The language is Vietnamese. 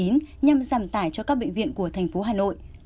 nhằm giảm tải cho các bệnh viện của thành phố hà nội